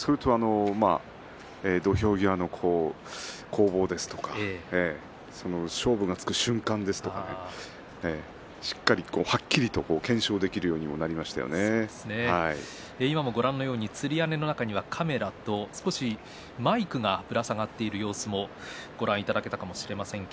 それと土俵際の攻防ですとか勝負がつく瞬間ですとかしっかりとはっきりと検証できる今もつり屋根の中にはカメラと少しマイクがぶら下がっている様子もご覧いただけたかもしれません。